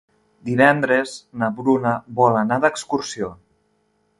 Divendres na Bruna vol anar d'excursió.